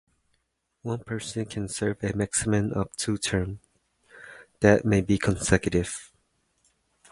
One person can serve a maximum of two terms, that may be consecutive.